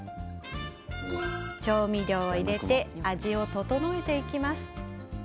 調味料を入れて味を調えます。